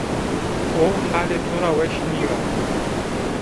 O halê to ra weş nîyo